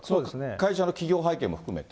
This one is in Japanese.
会社の企業背景も含めて。